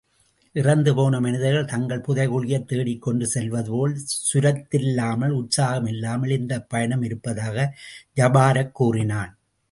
இறந்துபோன மனிதர்கள் தங்கள் புதை குழியைத் தேடிக்கொண்டு செல்வதுபோல் சுரத்தில்லாமல், உற்சாகமில்லாமல், இந்தப் பயணம் இருப்பதாக ஜபாரக் கூறினான்.